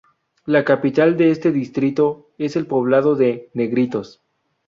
La capital de este distrito es el poblado de Negritos.